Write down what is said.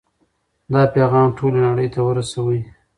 دا پیغام ټولې نړۍ ته ورسوئ.